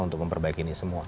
untuk memperbaiki ini semua